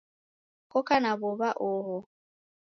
Koka na w'ow'a oho